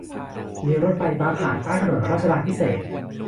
มีรถไฟฟ้าผ่านใต้ถนนรัชดาภิเษก